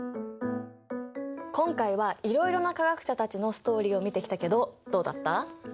今回はいろいろな化学者たちのストーリーを見てきたけどどうだった？